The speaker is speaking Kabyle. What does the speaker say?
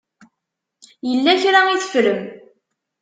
Yella kra i teffrem.